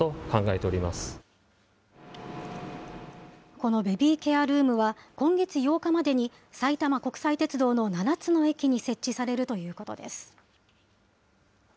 このベビーケアルームは、今月８日までに埼玉鉄道の７つの駅に設置されるということです。